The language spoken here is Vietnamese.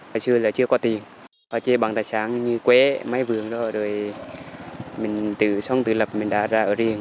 hồi xưa là chưa có tiền họ chê bằng tài sản như quế máy vườn đó rồi mình tự xong tự lập mình đã ra ở riêng